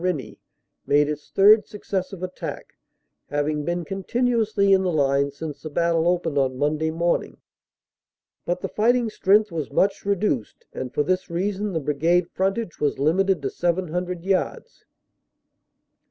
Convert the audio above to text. Rennie, made its third successive attack, having been continuously in the line since the battle opened on Monday morning. But the fighting strength was much reduced, and for this reason the Brigade frontage was limited to 700 yards.